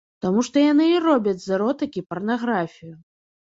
Таму што яны і робяць з эротыкі парнаграфію.